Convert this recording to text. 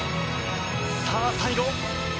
さあ、最後。